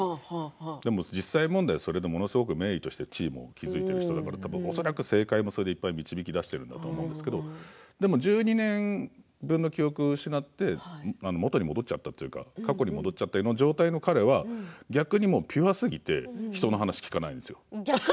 でも実際それで名医として地位も築いている人だから正解もそれで導いていると思うんですけれども１２年分の記録を失って元に戻っちゃったというか過去に戻った状態の彼は逆にピュアすぎて人の話を聞かないんです。